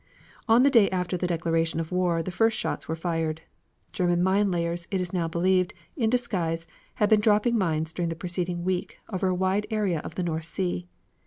On the day after the declaration of war, the first shots were fired. German mine layers, it is now believed, in disguise, had been dropping mines during the preceding week over a wide area of the North Sea.